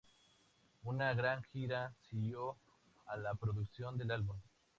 Una gran gira siguió a la producción del álbum.